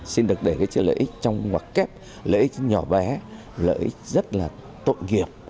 xin được để cái lợi ích trong hoặc kép lợi ích nhỏ bé lợi ích rất là tội nghiệp